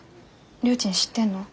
りょーちん知ってんの？